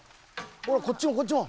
ほらこっちもこっちも。